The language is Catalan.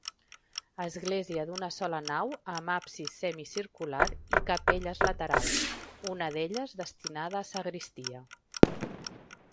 Església d'una sola nau amb absis semicircular i capelles laterals, una d'elles destinada a sagristia.